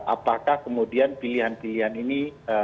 apakah kemudian pilihan pilihan ini